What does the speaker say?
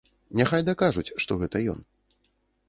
Няхай дакажуць, што гэта ён.